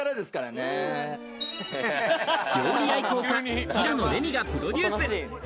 料理愛好家・平野レミがプロデュース。